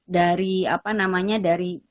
dari apa namanya dari